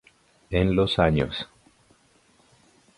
En los años.